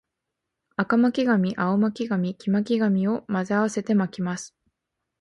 赤巻紙、青巻紙、黄巻紙を混ぜ合わせて巻きます